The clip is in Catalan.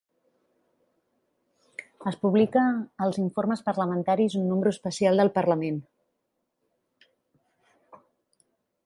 Es publica als "Informes parlamentaris", un número especial del Parlament.